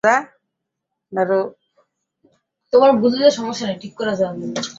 এই মুরগীটা তুমি খাবে, রজ!